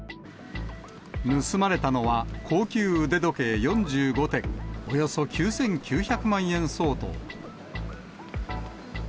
盗まれたのは高級腕時計４５点、およそ９９００万円相当。